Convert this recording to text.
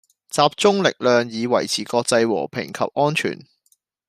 集中力量，以維持國際和平及安全